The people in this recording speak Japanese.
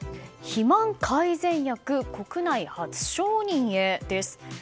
肥満改善薬、国内初承認へです。